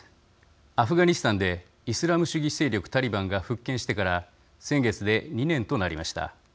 アフガニスタンでイスラム主義勢力タリバンが復権してから先月で２年となりました。